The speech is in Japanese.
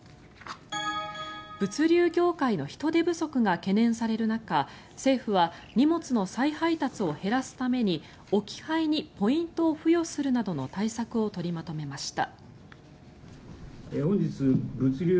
物流業界の人手不足が懸念される中政府は荷物の再配達を減らすために置き配にポイントを付与するなどの対策を取りまとめました。